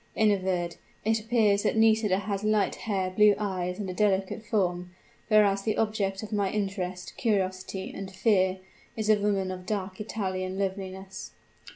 In a word, it appears that Nisida has light hair, blue eyes and a delicate form: whereas, the object of my interest, curiosity, and fear, is a woman of dark Italian loveliness.